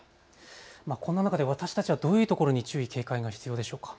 こんな中で私たちはどういうところに注意、警戒が必要でしょうか。